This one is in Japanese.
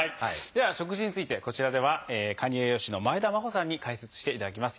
では食事についてこちらでは管理栄養士の前田真歩さんに解説していただきます。